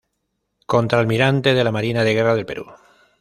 Contralmirante de la Marina de Guerra del Perú.